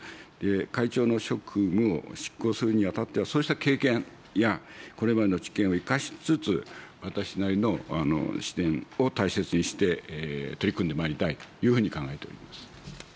会長の職務を執行するにあたっては、そうした経験や、これまでの知見を生かしつつ、私なりの視点を大切にして、取り組んでまいりたいというふうに考えております。